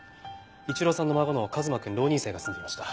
一郎さんの孫の和真くん浪人生が住んでいました。